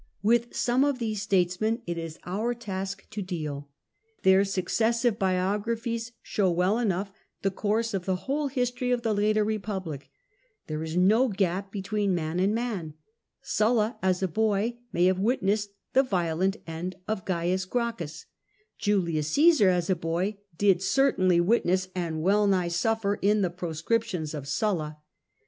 With some of these states men it is our task to deal. Their successive biographies show well enough the course of the whole history of the later Republic ; there is no gap between man and man ; Sulla as a boy may have witnessed the violent end of Cains Gracchus : Julius Caesar as a boy did certainly witness and well nigh suffer in the proscriptions of Sulla.